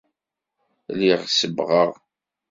Lliɣ sebbɣeɣ.